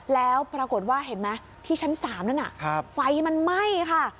แล้วปรากฏว่าเห็นไหมที่ชั้น๓นั้นไฟมันไหม้ค่ะ